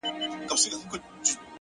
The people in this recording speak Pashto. ما د دريم ژوند وه اروا ته سجده وکړه؛